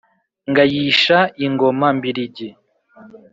Ngayisha ingoma mbiligi